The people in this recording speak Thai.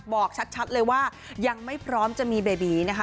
บอกชัดเลยว่ายังไม่พร้อมจะมีเบบีนะคะ